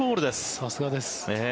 さすがです。